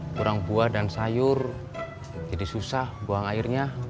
kurang buah dan sayur jadi susah buang airnya